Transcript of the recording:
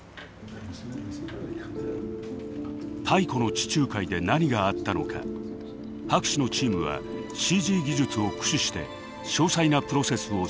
太古の地中海で何があったのか博士のチームはＣＧ技術を駆使して詳細なプロセスを再現しています。